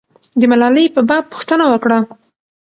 د ملالۍ په باب پوښتنه وکړه.